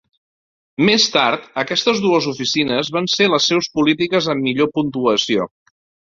Més tard, aquestes dues oficines van ser les seus polítiques amb millor puntuació.